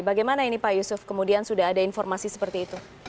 bagaimana ini pak yusuf kemudian sudah ada informasi seperti itu